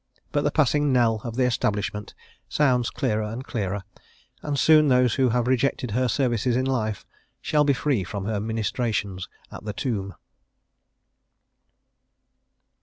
But the passing knell of the Establishment sounds clearer and clearer, and soon those who have rejected her services in life shall be free from her ministrations at the tomb.